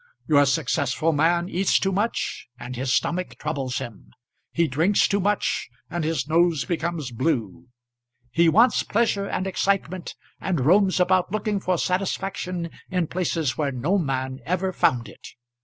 Your successful man eats too much and his stomach troubles him; he drinks too much and his nose becomes blue. He wants pleasure and excitement, and roams about looking for satisfaction in places where no man ever found it.